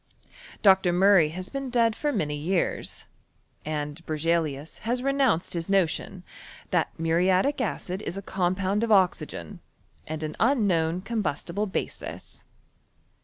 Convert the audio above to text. Dr. Murray has been dead for many years, and Bcr * zelius has renounced his notion, that muriatic acid is a ccimponnd of o»ygen and an unknown combus tible basis.